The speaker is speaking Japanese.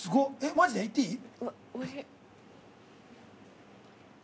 マジで行っていい？